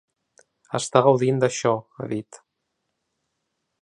Està gaudint d’això, ha dit.